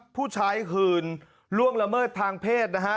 ผู้ชายหื่นล่วงละเมิดทางเพศนะฮะ